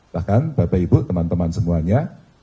bahkan bapak ibu teman teman semuanya